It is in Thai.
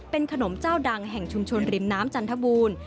เป็นขนมเจ้าดังแห่งชุมชนริมน้ำจันทบูรณ์